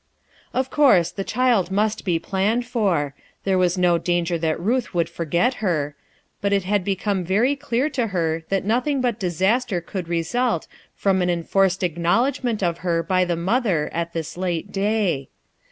Of course the child must be planned for — there was no danger that Ruth would forget her — but it had become very clear to her that nothing but disaster could result from an en 241 RUTH ERSKINE'S SON farced acknowledgement of her by the mother at this Lite day.